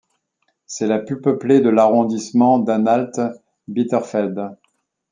C'est la plus peuplée de l'arrondissement d'Anhalt-Bitterfeld.